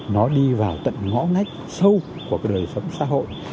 nó đi vào tận ngõ nách sâu của đời sống xã hội